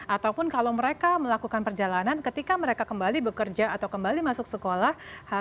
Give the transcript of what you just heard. ataupun kalau mereka melakukan perjalanan ketika mereka kembali bekerja atau kembali masuk sekolah